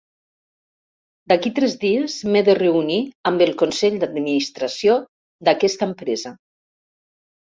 D'aquí tres dies m'he de reunir amb el consell d'administració d'aquesta empresa.